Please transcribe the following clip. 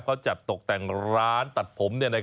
เขาจัดตกแต่งร้านตัดผม